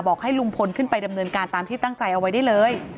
ให้ลุงพลขึ้นไปดำเนินการตามที่ตั้งใจเอาไว้ได้เลย